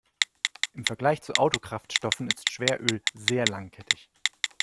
Im Vergleich zu Autokraftstoffen ist Schweröl sehr langkettig.